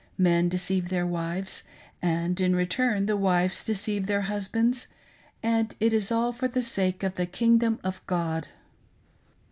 Men deceive their wives, and in return the wives deceive their husbands; and it is all for the sake of the kingdom of God.